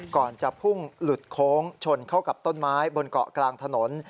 ก่อนจะพุ่งหลุดโค้งชนเข้ากับต้นไม้บนเกาะกลางถนน